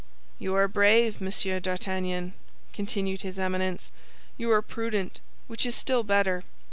"You are brave, Monsieur d'Artagnan," continued his Eminence; "you are prudent, which is still better.